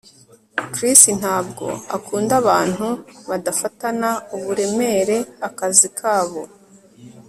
Chris ntabwo akunda abantu badafatana uburemere akazi kabo